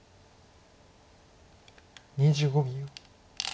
２５秒。